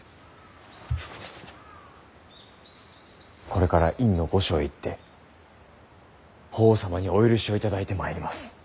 これから院御所へ行って法皇様にお許しを頂いてまいります。